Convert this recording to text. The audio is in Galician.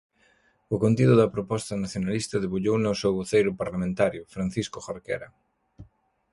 O contido da proposta nacionalista debullouna o seu voceiro parlamentario, Francisco Jorquera.